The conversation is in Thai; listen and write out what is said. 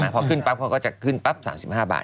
พอขึ้นปั๊บเขาก็จะขึ้นปั๊บ๓๕บาท